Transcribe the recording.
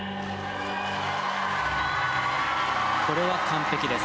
これは完璧です。